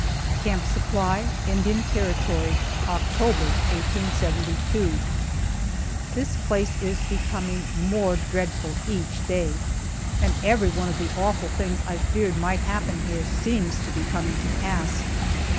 CAMP SUPPLY, INDIAN TERRITORY, October, 1872. THIS place is becoming more dreadful each day, and every one of the awful things I feared might happen here seems to be coming to pass.